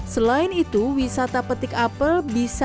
selain itu wisata petik apel saya akan incapacitas affairs secara borangnya